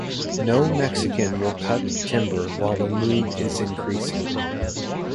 No Mexican will cut timber while the moon is increasing.